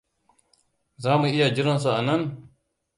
Za mu iya jiransu anan?